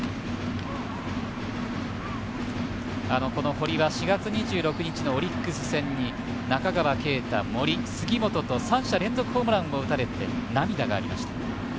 堀は４月２６日のオリックス戦に中川圭太、森杉本と３者連続ホームランを打たれて涙がありました。